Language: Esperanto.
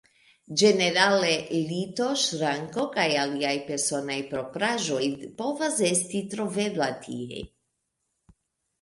Ĝenerale, lito, ŝranko, kaj aliaj personaj propraĵoj povas esti trovebla tie.